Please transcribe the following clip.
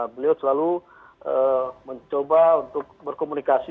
beliau selalu mencoba untuk berkomunikasi